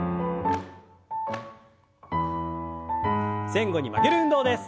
前後に曲げる運動です。